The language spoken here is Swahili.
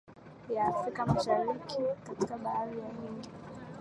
ya afrika mashariki katika ba bahari ya hindi